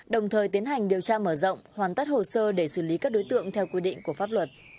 đồng thời tiến hành điều tra mở rộng hoàn tất hồ sơ để xử lý các đối tượng theo quy định của pháp luật